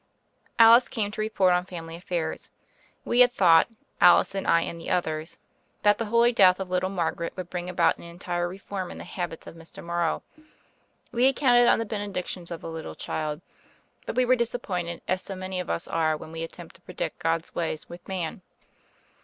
Alice came to report on family affairs. We had thought — ^Alicc and I and the others — ^that 127 128 THE FAIRY OF THE SNOWS the holy death of little Margaret would bring about an entire reform in the habits of Mr. Morrow. We had counted on the benedictions of the little child. But we were disappointed, as so many of us are when we attempt to pre dict God's ways with man.